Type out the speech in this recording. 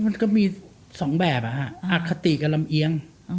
ดูเป็นสองแบบอะอัตรคตีกะลำเอียง